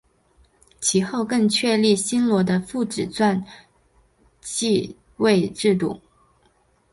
其后更确立新罗的父传子继位制度。